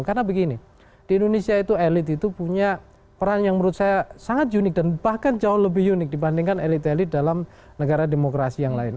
karena begini di indonesia itu elit itu punya peran yang menurut saya sangat unik dan bahkan jauh lebih unik dibandingkan elit elit dalam negara demokrasi yang lain